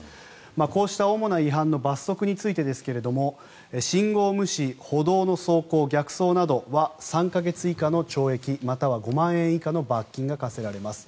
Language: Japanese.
こうした主な違反の罰則についてですが信号無視歩道の走行、逆走などは３か月以下の懲役または５万円以下の罰金が科せられます。